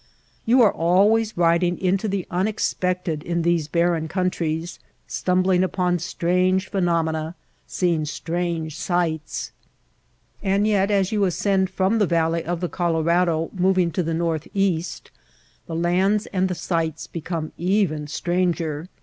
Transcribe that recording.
You are always riding into the unexpected in these barren countries, stumbling upon strange phenomena, seeing strange sights. And yet as you ascend from the valley of the Colorado moving to the northeast, the lands and the sights become even stranger.